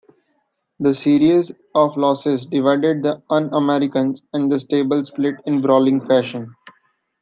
The series of losses divided The Un-Americans, and the stable split in brawling fashion.